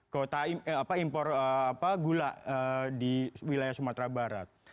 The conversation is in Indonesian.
kuota impor gula di wilayah sumatera barat